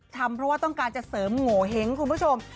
ทำเพราะกาลจะเสริมโงเห็งคุณผู้ชม